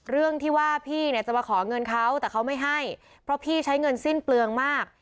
เรื่องที่ว่าพี่เนี่ยจะมาขอเงินเขาแต่เขาไม่ให้เพราะพี่ใช้เงินสิ้นเปลืองมาก